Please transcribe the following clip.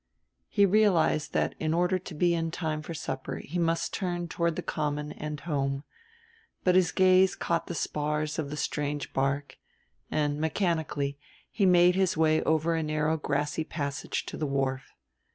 He realized that in order to be in time for supper he must turn toward the Common and home; but his gaze caught the spars of the strange barque; and, mechanically, he made his way over a narrow grassy passage to the wharf.